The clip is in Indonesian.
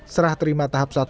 serah terima tahap satu